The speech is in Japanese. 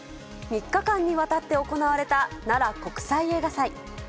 ３日間にわたって行われたなら国際映画祭。